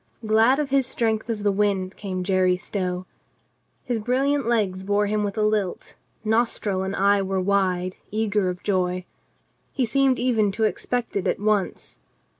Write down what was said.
Glad of his strength as the wind came Jerry Stow. His brilliant legs bore him with a lilt; nostril and eye were wide, eager of joy. He seemed even to expect it at once.